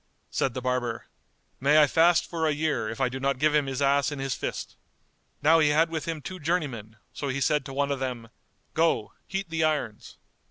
'" Said the barber, "May I fast for a year, if I do not give him his ass in his fist!" Now he had with him two journeymen, so he said to one of them "Go, heat the irons."